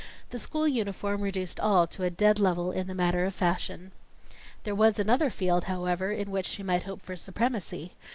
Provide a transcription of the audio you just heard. The school uniform reduced all to a dead level in the matter of fashion. There was another field, however, in which she might hope for supremacy.